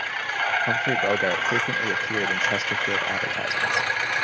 Humphrey Bogart frequently appeared in Chesterfield advertisements.